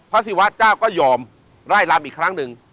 ศิวะเจ้าก็ยอมไล่ลำอีกครั้งหนึ่ง